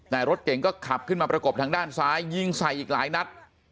แต่รถเก่งก็ขับขึ้นมาประกบทางด้านซ้ายยิงใส่อีกหลายนัด